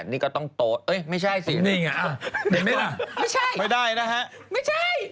๘นี่ก็ต้องโต๊ะเอ๊ะไม่ใช่สิไม่ได้นะฮะไม่ใช่